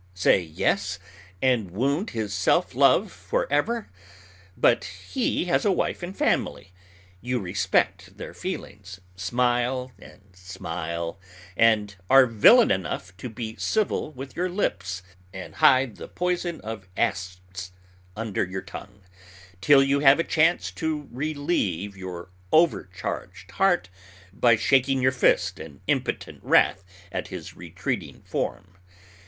Say yes, and wound his self love forever? But he has a wife and family. You respect their feelings, smile and smile, and are villain enough to be civil with your lips, and hide the poison of asps under your tongue, till you have a chance to relieve your o'ercharged heart by shaking your fist in impotent wrath at his retreating form.